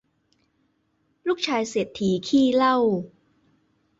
ลูกชายเศรษฐีขี้เหล้า